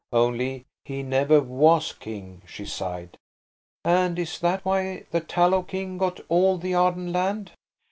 Only he never was king," she sighed. "And is that why the Tallow King got all the Arden land?"